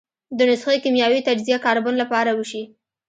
د نسخې کیمیاوي تجزیه کاربن له پاره وشي.